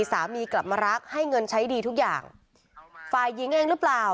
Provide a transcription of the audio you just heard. สามีกลับมารักให้เงินใช้ดีทุกอย่างฝ่ายหญิงเองหรือเปล่า